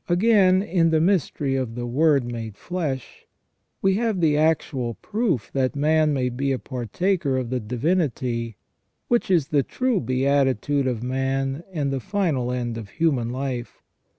* Again, in the mystery of the Word made flesh, we have the actual proof that man may be a partaker of the divinity, which is the true beatitude of man and the final end of human life.